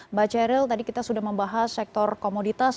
mbak ceril tadi kita sudah membahas sektor komoditas